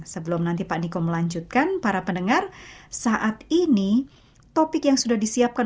sebelum nanti pak niko melanjutkan para pendengar saat ini topik yang sudah disiapkan